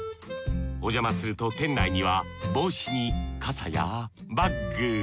おじゃますると店内には帽子に傘やバッグ。